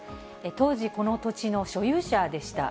当時、この土地の所有者でした。